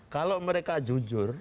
kalau mereka jujur